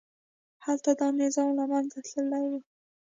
هلته دا نظام له منځه تللي وو.